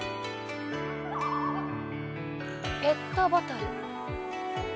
ペットボトル。